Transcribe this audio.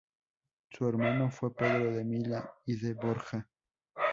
Su hermano fue Pedro de Milá y de Borja.